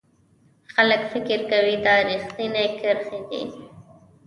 خلک فکر کوي دا ریښتینې کرښې دي.